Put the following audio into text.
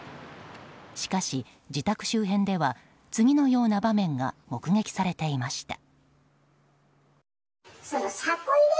しかし、自宅周辺では次のような場面が目撃されていました。